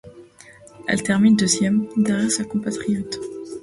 Elle termine deuxième, derrière sa compatriote.